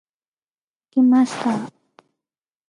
起きました。